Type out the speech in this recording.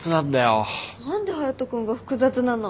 何でハヤト君が複雑なの？